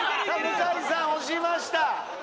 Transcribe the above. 向井さん押しました